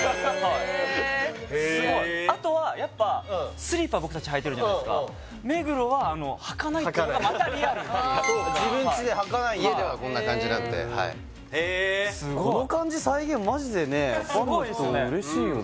へえあとはやっぱスリッパ僕たち履いてるじゃないですかっていうのがまたリアル自分ちで履かないんだ家ではこんな感じなんではいへえこの感じ再現マジでねえファンの人嬉しいよね